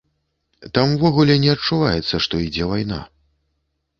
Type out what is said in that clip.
Там увогуле не адчуваецца, што ідзе вайна.